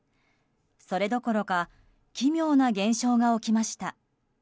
それどころか奇妙な現象が起きました。